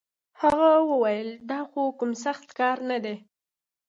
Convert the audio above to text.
هغه وويل دا خو کوم سخت کار نه دی.